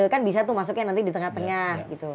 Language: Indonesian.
kan bisa tuh masuknya nanti di tengah tengah gitu